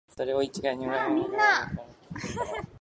それを一概に「飜訳者は裏切り者」と心得て畏れ謹しんだのでは、